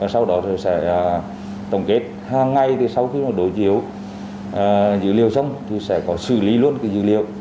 sau đó sẽ tổng kết hàng ngày sau khi đối chiếu dữ liệu xong sẽ có xử lý luôn dữ liệu